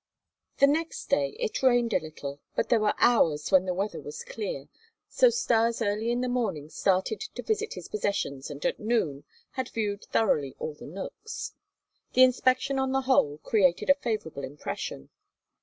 XIV The next day it rained a little, but there were hours when the weather was clear, so Stas early in the morning started to visit his possessions and at noon had viewed thoroughly all the nooks. The inspection on the whole created a favorable impression.